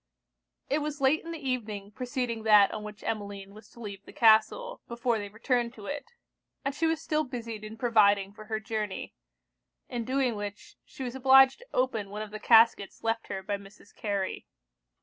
It was late in the evening preceding that on which Emmeline was to leave the castle, before they returned to it; and she was still busied in providing for her journey; in doing which, she was obliged to open one of the caskets left her by Mrs. Carey.